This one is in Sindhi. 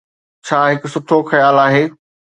ڇا هڪ سٺو خيال آهي.